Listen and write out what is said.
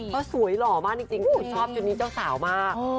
ก็สวยหล่อมากจริงชอบชุดนี้เจ้าสาวมาก